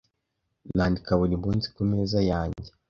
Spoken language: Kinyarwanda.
Nandika buri munsi ku meza yanjye.